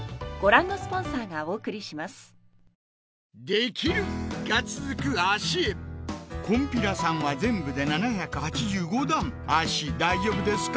できる！が続く脚へこんぴらさんは全部で７８５段脚大丈夫ですか？